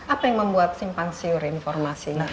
apa yang membuat simpang siur informasinya